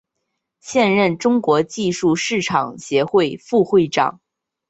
现任中国技术市场协会副会长。